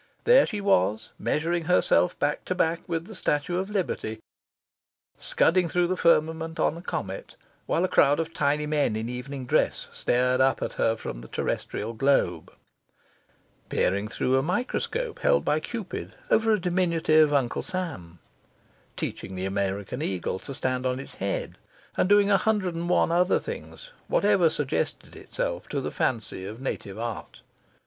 There she was, measuring herself back to back with the Statue of Liberty; scudding through the firmament on a comet, whilst a crowd of tiny men in evening dress stared up at her from the terrestrial globe; peering through a microscope held by Cupid over a diminutive Uncle Sam; teaching the American Eagle to stand on its head; and doing a hundred and one other things whatever suggested itself to the fancy of native art.